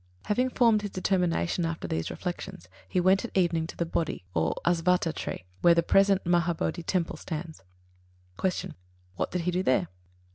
Having formed his determination after these reflections, he went at evening to the Bōdhi, or Asvattha tree, where the present Mahābōdhi Temple stands. 61. Q. _What did he do there?